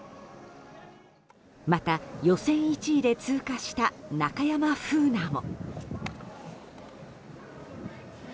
また、予選１位で通過した中山楓奈も。